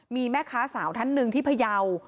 มีแม่ค้าสาวท่านหนึ่งที่พยาว